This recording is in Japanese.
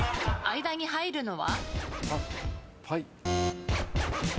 間に入るのは？